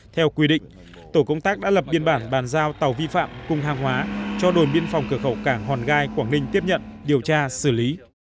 theo quy định tổ công tác đã lập biên bản bàn giao tàu vi phạm cùng hàng hóa cho đồn biên phòng cửa khẩu cảng hòn gai quảng ninh tiếp nhận điều tra xử lý